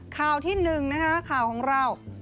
ข่าวที่๑ข่าวของเรา